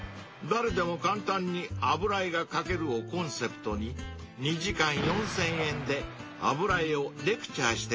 ［「誰でも簡単に油絵が描ける」をコンセプトに２時間４，０００円で油絵をレクチャーしてくれます］